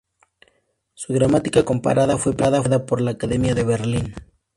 Su "Gramática comparada" fue premiada por la Academia de Berlín.